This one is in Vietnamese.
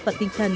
và tinh thần